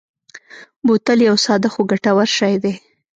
بوتل یو ساده خو ګټور شی دی.